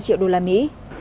hai triệu đô la mỹ